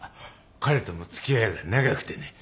「彼とも付き合いが長くてね」